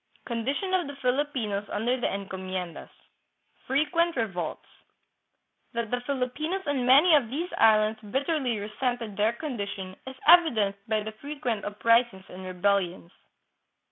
Condition of t7ie Filipinos under the Encomiendas. Frequent Revolts. That the Filipinos on many of these islands bitterly resented their condition is evidenced by the frequent uprisings and rebellions.